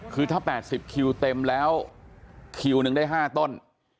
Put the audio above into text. คือถ้า๘๐คิวเต็มแล้วคิวหนึ่งได้๕ต้น